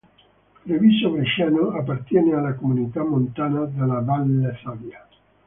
Treviso Bresciano appartiene alla Comunità Montana della Valle Sabbia.